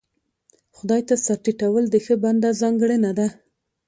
خدای ته سر ټيټول د ښه بنده ځانګړنه ده.